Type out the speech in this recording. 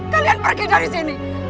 kalian pergi dari sini